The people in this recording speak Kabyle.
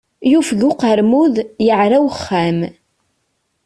Yufeg uqermud, yeɛra uxxam.